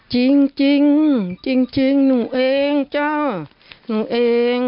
จริงจริงหนูเองเจ้าหนูเอง